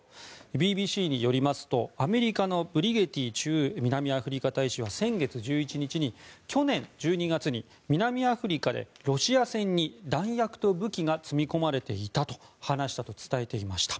ＢＢＣによりますと、アメリカのブリゲティ駐南アフリカ大使は先月１１日に去年１２月に、南アフリカでロシア船に弾薬と武器が積み込まれていたと話したと伝えていました。